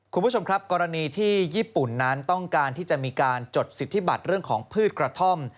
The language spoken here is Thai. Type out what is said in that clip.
คุณผู้ชมครับกรณีที่ญี่ปุ่นนั้นต้องการที่จะมีการจดสิทธิบัตรเรื่องของพืชกระท่อม